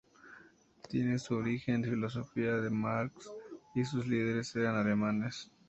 Tiene su origen en la filosofía de Marx y sus líderes eran alemanes".